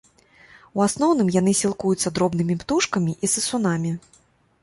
У асноўным яны сілкуюцца дробнымі птушкамі і сысунамі.